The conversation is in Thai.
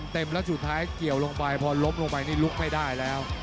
แล้วสุดท้ายเกี่ยวลงไปพอล้มลงไปนี่ลุกไม่ได้แล้ว